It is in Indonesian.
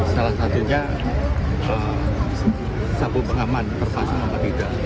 salah satunya sabun pengaman perpasangan apa tidak